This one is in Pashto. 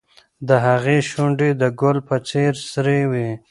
د هغې شونډې د ګل په څېر سرې وې.